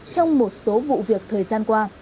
trong một số vụ việc thời gian qua